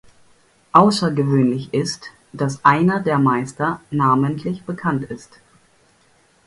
Aussergewöhnlich ist, dass einer der Meister namentlich bekannt ist.